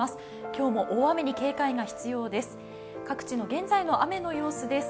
今日も大雨に警戒が必要です。